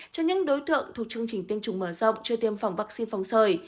cho những đối tượng thuộc chương trình tiêm chủng mở rộng chưa tiêm phòng vaccine phòng sởi